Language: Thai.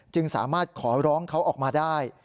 จึงสามารถขอร้องเขาออกมาได้